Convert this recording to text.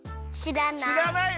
しらない。